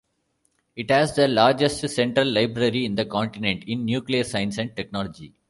It has the largest central library in the continent in Nuclear science and technology.